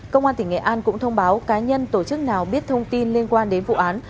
công an tỉnh nghệ an cũng thông báo cá nhân tổ chức nào biết thông tin liên quan đến vụ án